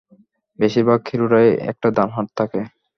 বেশিরভাগ হিরোরই একটা ডানহাত থাকে।